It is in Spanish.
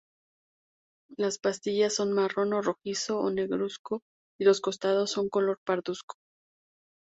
Las patillas son marrón rojizo o negruzco y los costados son color parduzco.